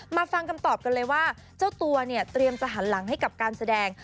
ฟังคำตอบกันเลยว่าเจ้าตัวเนี่ยเตรียมจะหันหลังให้กับการแสดง